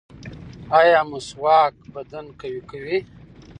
ایا مسواک بدن قوي کوي؟